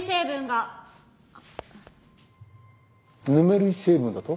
ぬめり成分だと？